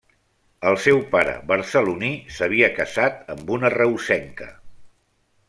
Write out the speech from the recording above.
El seu pare, barceloní, s'havia casat amb una reusenca.